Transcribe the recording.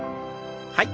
はい。